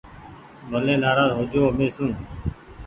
ڀلي نآراز هو جو مين سون۔